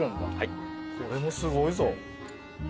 これもすごいぞ。